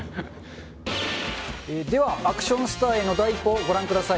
では、アクションスターへの第一歩をご覧ください。